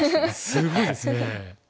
すごいですね。